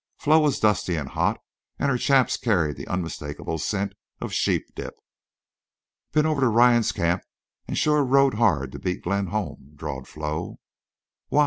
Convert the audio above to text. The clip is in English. Flo was dusty and hot, and her chaps carried the unmistakable scent of sheep dip. "Been over to Ryan's camp an' shore rode hard to beat Glenn home," drawled Flo. "Why?"